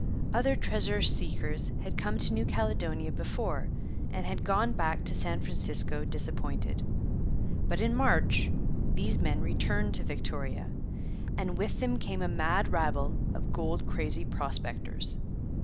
Other treasure seekers had come to New Caledonia before and had gone back to San Francisco disappointed. But, in March, these men returned to Victoria. And with them came a mad rabble of gold crazy prospectors.